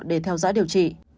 để theo dõi điều trị